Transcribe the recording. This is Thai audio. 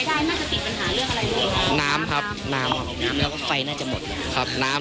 เจ้าหน้าที่ก็ต้องสังเกตอะไร